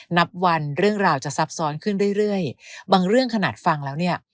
นับวันเรื่องราวจะซับซ้อนขึ้นเรื่อยเรื่อยบางเรื่องขนาดฟังแล้วเนี่ย